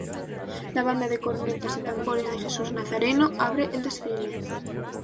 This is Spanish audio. La Banda de cornetas y tambores de Jesús Nazareno abre el desfile.